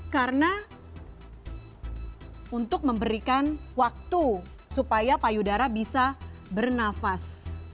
karena untuk memberikan waktu supaya payudara bisa bernafas